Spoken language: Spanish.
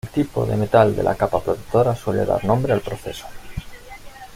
El tipo de metal de la capa protectora suele dar nombre al proceso.